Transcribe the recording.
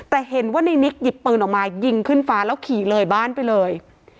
แต่เห็นว่าในนิกหยิบปืนออกมายิงขึ้นฟ้าแล้วขี่เลยบ้านไปเลย